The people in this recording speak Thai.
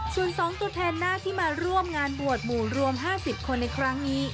ส่วน๒ตัวแทนหน้าที่มาร่วมงานบวชหมู่รวม๕๐คนในครั้งนี้